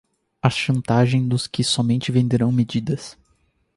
A chantagem dos que somente venderão medidas